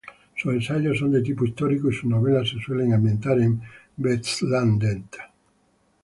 Sus ensayos son de tipo histórico, y sus novelas se suelen ambientar en Vestlandet.